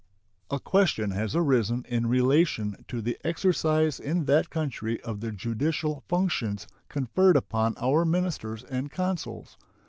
A question has arisen in relation to the exercise in that country of the judicial functions conferred upon our ministers and consuls.